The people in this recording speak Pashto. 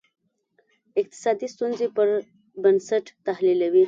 اقتصادي ستونزې پر بنسټ تحلیلوي.